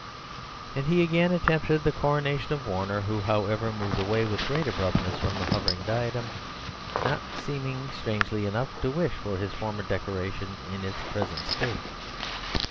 And he again attempted the coronation of Warner, who, however, moved away with great abruptness from the hovering diadem; not seeming, strangely enough, to wish for his former decoration in its present state.